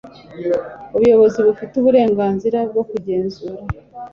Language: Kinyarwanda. ubuyobozi bufite uburenganzira bwo kugenzura